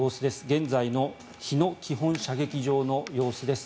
現在の日野基本射撃場の様子です。